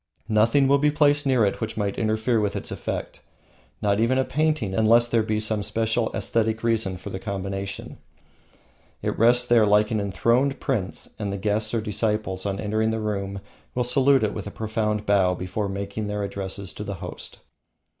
Nothing else will be placed near it which might interfere with its effect, not even a painting, unless there be some special aesthetic reason for the combination. It rests there like an enthroned prince, and the guests or disciples on entering the room will salute it with a profound bow before making their addresses to the host.